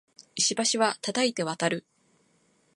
石橋は叩いて渡る